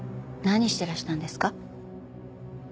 何してらしたんですか？